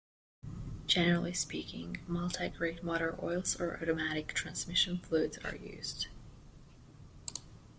Generally speaking, multi-grade motor oils or automatic transmission fluids are used.